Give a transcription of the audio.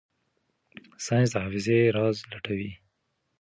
ساینس د حافظې راز لټوي.